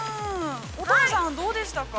◆乙葉さん、どうでしたか？